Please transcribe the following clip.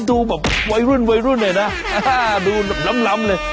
ดูแบบวัยรุ่นเลยนะดูล้ำเลย